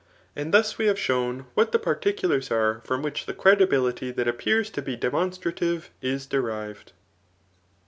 And thus, we have shown what the particulars are from which the credibility that appears to be demonstrative is derived.